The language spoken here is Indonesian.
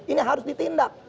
ini harus ditindak